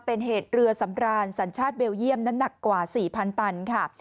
เป็นเหตุเรือสำรานสัญชาติเบลเยี่ยมน้ำหนักกว่า๔๐๐ตันค่ะ